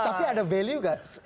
tapi ada value nggak